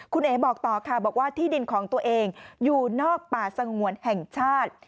คุณเอ๋บอกต่อค่ะบอกว่าที่ดินของตัวเองอยู่นอกป่าสงวนแห่งชาติ